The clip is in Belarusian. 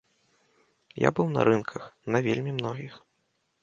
Я быў на рынках, на вельмі многіх.